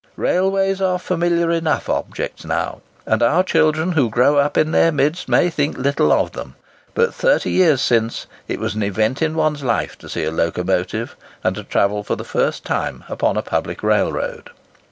Railways are familiar enough objects now, and our children who grow up in their midst may think little of them; but thirty years since it was an event in one's life to see a locomotive, and to travel for the first time upon a public railroad.